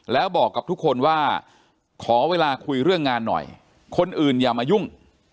แล้วบอกกับทุกคนว่าขอเวลาคุยเรื่องงานหน่อยคนอื่นอย่ามายุ่ง